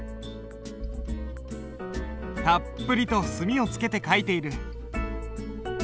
たっぷりと墨をつけて書いている。